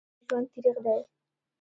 زموږ ژوند تریخ دی